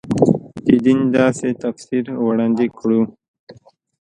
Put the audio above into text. د دین داسې تفسیر وړاندې کړو.